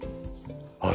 あれ？